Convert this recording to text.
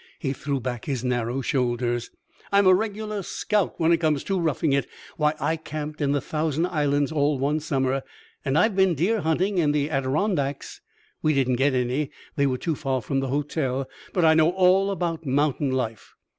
He threw back his narrow shoulders. "I'm a regular scout when it comes to roughing it. Why, I camped in the Thousand Islands all one summer, and I've been deer hunting in the Adirondacks. We didn't get any they were too far from the hotel; but I know all about mountain life."